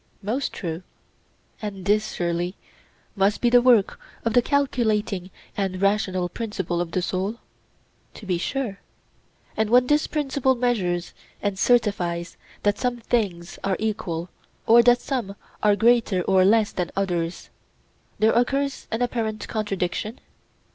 Most true. And this, surely, must be the work of the calculating and rational principle in the soul? To be sure. And when this principle measures and certifies that some things are equal, or that some are greater or less than others, there occurs an apparent contradiction?